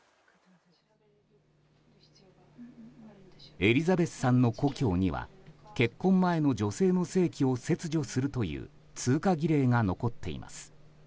エリザベスさんの故郷には結婚前の女性の性器を切除するという通過儀礼が残っています。